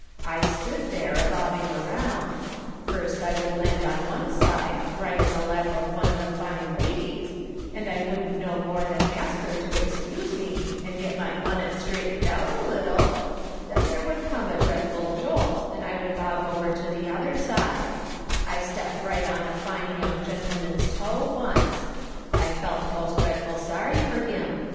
I stood there, a bobbing around ; first I would land on one side, right in the lap of one of the fine ladies, and I wouldn't no more than ask her to excuse me, and get my bunnit straightened out a little, then there would come a dreadful jolt and I would bob over to the other side; I stepped right on a fine young gentleman's toe once. I felt most dreadful sorry i'or him.